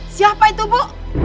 siapa itu bu